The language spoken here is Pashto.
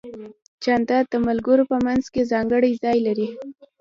جانداد د ملګرو په منځ کې ځانګړی ځای لري.